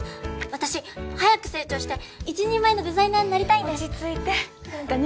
私早く成長して一人前のデザイナーになりたいんです！